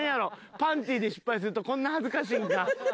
パンティで失敗するとこんな恥ずかしいんか。